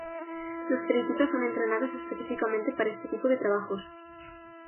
Los periquitos son entrenados específicamente para este tipo de trabajos.